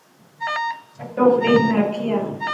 اثو فريج ۾ رکي آءِ.